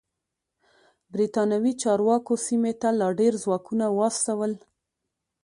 برېتانوي چارواکو سیمې ته لا ډېر ځواکونه واستول.